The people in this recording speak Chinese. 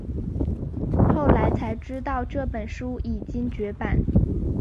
后来才知道这本书已经绝版